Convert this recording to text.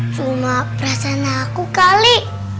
cuma perasaan aku kali